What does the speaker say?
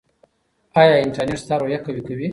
ایا انټرنیټ ستا روحیه قوي کوي؟